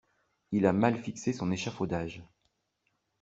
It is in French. Il a mal fixé son échaufaudage.